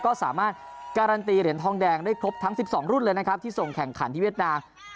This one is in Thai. ก็สามารถการันตีเหรียญทองแดงได้ครบทั้ง๑๒รุ่นเลยนะครับที่ส่งแข่งขันที่เวียดนาม